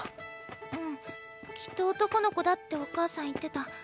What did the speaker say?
うんきっと男の子だってお母さん言ってた。